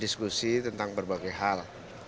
diskusi tentang berbagai hal